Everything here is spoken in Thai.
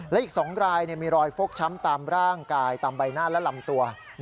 และอีก๒รายมีรอยฟกช้ำตามร่างกายตามใบหน้าและลำตัว